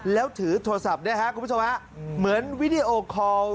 แล้วถือโทรศัพท์ด้วยครับคุณผู้ชมฮะเหมือนวิดีโอคอล